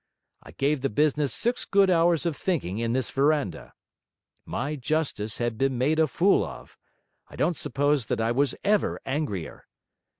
I gave the business six good hours of thinking in this verandah. My justice had been made a fool of; I don't suppose that I was ever angrier.